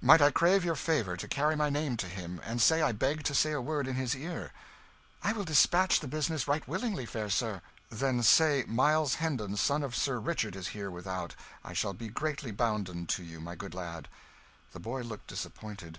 "Might I crave your favour to carry my name to him, and say I beg to say a word in his ear?" "I will despatch the business right willingly, fair sir." "Then say Miles Hendon, son of Sir Richard, is here without I shall be greatly bounden to you, my good lad." The boy looked disappointed.